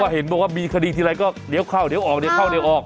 เห็นบอกว่ามีคดีทีไรก็เดี๋ยวเข้าเดี๋ยวออกเดี๋ยวเข้าเดี๋ยวออก